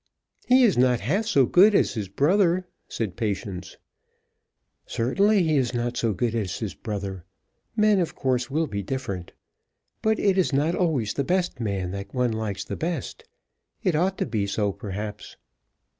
"He is not half so good as his brother," said Patience. "Certainly he is not so good as his brother. Men, of course, will be different. But it is not always the best man that one likes the best. It ought to be so, perhaps."